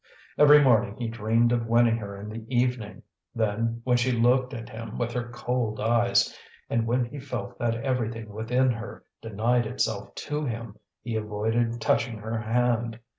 Every morning he dreamed of winning her in the evening; then, when she looked at him with her cold eyes, and when he felt that everything within her denied itself to him, he even avoided touching her hand.